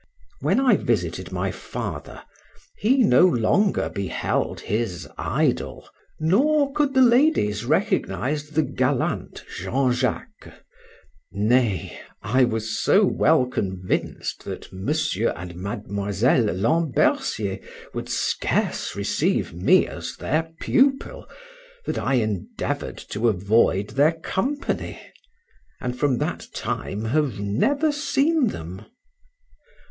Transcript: When I visited my father, he no longer beheld his idol, nor could the ladies recognize the gallant Jean Jacques; nay, I was so well convinced that Mr. and Miss Lambercier would scarce receive me as their pupil, that I endeavored to avoid their company, and from that time have never seen them.